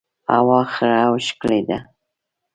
هوا خړه او ښکلي ده